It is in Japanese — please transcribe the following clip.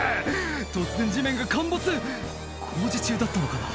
突然地面が陥没工事中だったのかな？